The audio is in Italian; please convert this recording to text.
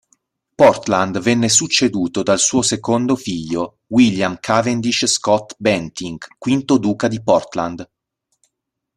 Portland venne succeduto dal suo secondo figlio, William Cavendish-Scott-Bentinck, V duca di Portland.